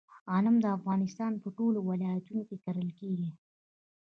غنم د افغانستان په ټولو ولایتونو کې کرل کیږي.